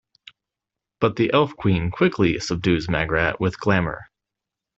But the Elf Queen quickly subdues Magrat with glamour.